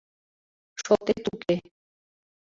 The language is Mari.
— Шотет уке.